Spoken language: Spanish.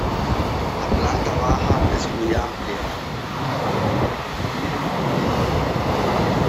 La planta baja es muy amplia.